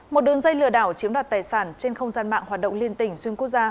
một đường dây lừa đảo chiếm đoạt tài sản trên không gian mạng hoạt động liên tỉnh xuyên quốc gia